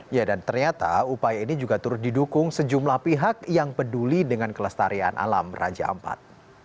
ya dan ternyata upaya ini juga turut didukung sejumlah pihak yang peduli dengan kelestarian alam raja ampat